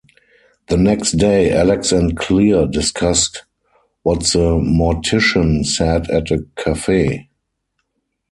The next day, Alex and Clear discuss what the mortician said at a cafe.